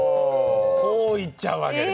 こういっちゃうわけですよね。